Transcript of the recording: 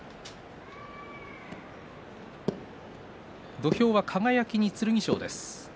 土俵は輝に剣翔です。